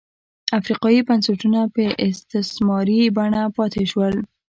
افریقايي بنسټونه په استثماري بڼه پاتې شول.